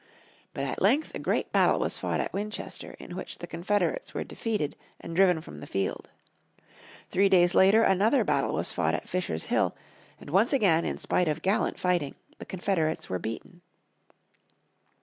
But at length a great battle was fought at Winchester in which the Confederates were defeated and driven from the field. Three days later another battle was fought at Fisher's Hill, and once again in spite of gallant fighting the Confederates were beaten.